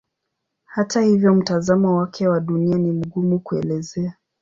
Hata hivyo mtazamo wake wa Dunia ni mgumu kuelezea.